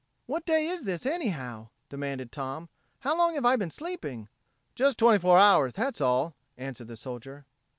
"What day is this, anyhow!" demanded Tom. "How long have I been sleeping?" "Just twenty four hours, that's all," answered the soldier.